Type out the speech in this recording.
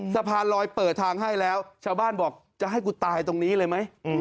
สะพานลอยเปิดทางให้แล้วชาวบ้านบอกจะให้กูตายตรงนี้เลยไหม